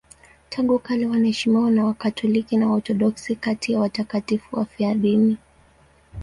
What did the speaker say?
Tangu kale wanaheshimiwa na Wakatoliki na Waorthodoksi kati ya watakatifu wafiadini.